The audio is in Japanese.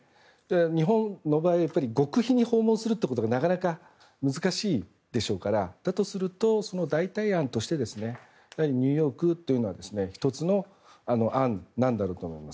日本の場合極秘に訪問するということがなかなか難しいでしょうからだとすると、代替案としてニューヨークというのは１つの案なんだろうと思います。